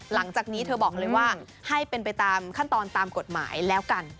หลังจากนี้เธอบอกเลยว่าให้เป็นไปตามขั้นตอนตามกฎหมายแล้วกัน